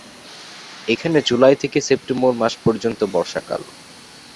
এখানে জুলাই থেকে সেপ্টেম্বর মাস পর্যন্ত বর্ষাকাল।